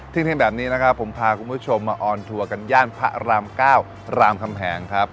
เที่ยงแบบนี้นะครับผมพาคุณผู้ชมมาออนทัวร์กันย่านพระราม๙รามคำแหงครับ